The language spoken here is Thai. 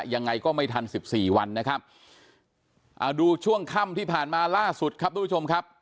ยังไงก็ไม่ทันสิบสี่วันนะครับเอาดูช่วงค่ำที่ผ่านมาล่าสุดครับทุกผู้ชมครับ